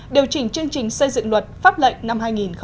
điều chỉnh chương trình xây dựng luật pháp lệnh năm hai nghìn một mươi tám